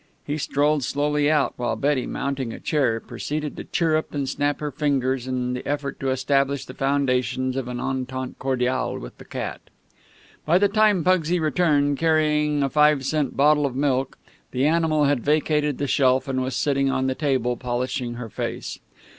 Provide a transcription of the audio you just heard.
He strolled slowly out, while Betty, mounting a chair, proceeded to chirrup and snap her fingers in the effort to establish the foundations of an entente cordiale with the cat. By the time Pugsy returned, carrying a five cent bottle of milk, the animal had vacated the shelf, and was sitting on the table, polishing her face.